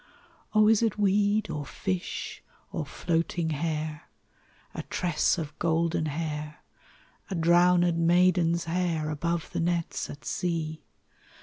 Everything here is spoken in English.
"Oh! is it weed, or fish, or floating hair A tress of golden hair, A drowned maiden's hair Above the nets at sea?